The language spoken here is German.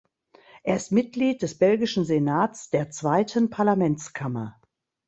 Er ist Mitglied des belgischen Senats, der zweiten Parlamentskammer.